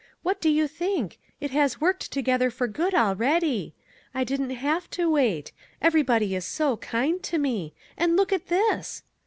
What do you think? It has ' worked together for good ' already. I didn't have to wait. Everybody is so kind to me ; and look at this